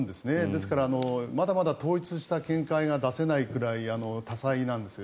ですから、まだまだ統一した見解が出せないくらい多彩なんです。